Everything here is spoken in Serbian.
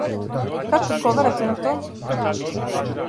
Како одговарате на то?